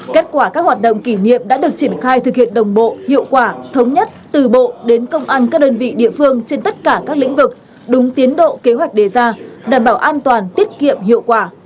kết quả các hoạt động kỷ niệm đã được triển khai thực hiện đồng bộ hiệu quả thống nhất từ bộ đến công an các đơn vị địa phương trên tất cả các lĩnh vực đúng tiến độ kế hoạch đề ra đảm bảo an toàn tiết kiệm hiệu quả